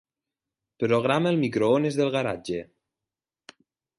Programa el microones del garatge.